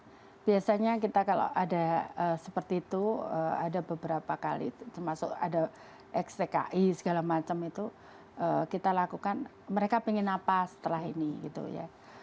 nah biasanya kita kalau ada seperti itu ada beberapa kali termasuk ada xtki segala macam itu kita lakukan mereka ingin apa setelah ini gitu ya